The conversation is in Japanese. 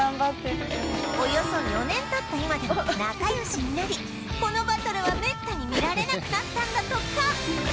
およそ４年経った今では仲良しになりこのバトルはめったに見られなくなったんだとか